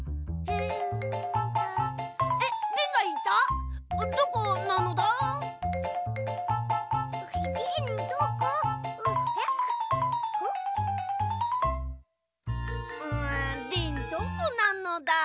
うんリンどこなのだ？